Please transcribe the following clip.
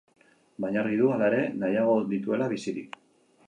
Baina argi du, hala ere, nahiago dituela bizirik.